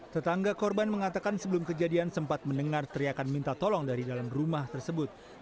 tetangga korban mengatakan sebelum kejadian sempat mendengar teriakan minta tolong dari dalam rumah tersebut